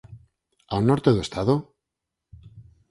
Ao norte do estado?